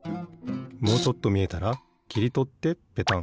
もうちょっとみえたらきりとってペタン。